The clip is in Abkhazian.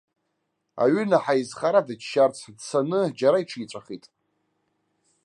Аҩынаҳа изхара дыччарц, дцаны џьара иҽиҵәахит.